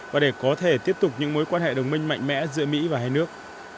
và để có thể tiếp tục những mối quan hệ đồng minh mạnh mẽ giữa mỹ và hai nước